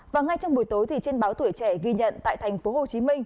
và ngay trong buổi tối trên báo tuổi trẻ ghi nhận tại tp hcm